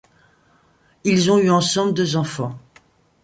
Ils ont eu ensemble deux enfants.